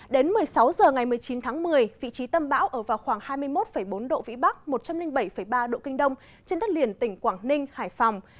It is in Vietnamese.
đến một mươi sáu h ngày một mươi chín tháng một mươi vị trí tâm bão ở vào khoảng hai mươi một bốn độ vĩ bắc một trăm linh bảy ba độ kinh đông trên đất liền tỉnh quảng ninh hải phòng